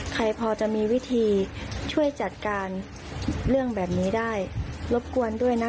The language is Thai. ใครพอจะมีวิธีช่วยจัดการเรื่องแบบนี้ได้รบกวนด้วยนะคะ